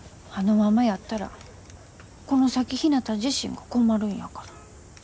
あのままやったらこの先ひなた自身が困るんやから。